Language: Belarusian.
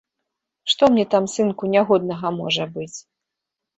Што мне там, сынку, нягоднага можа быць?